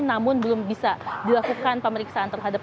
namun belum bisa dilakukan pemeriksaan terhadap